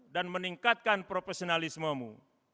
dan meningkatkan profesionalismemu